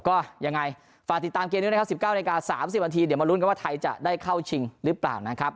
ก็ยังไงฝากติดตามเกมนี้นะครับ๑๙นาที๓๐นาทีเดี๋ยวมาลุ้นกันว่าไทยจะได้เข้าชิงหรือเปล่านะครับ